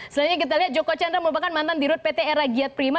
selanjutnya kita lihat joko chandra merupakan mantan dirut pt era giat prima